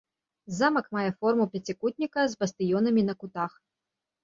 Замак мае форму пяцікутніка з бастыёнамі на кутах.